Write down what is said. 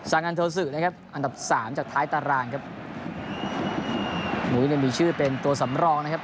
อันดับสามจากท้ายตารางครับุ๋ยยังมีชื่อเป็นตัวสำรองนะครับ